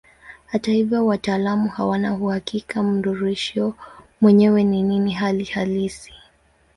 Hata hivyo wataalamu hawana uhakika mnururisho mwenyewe ni nini hali halisi.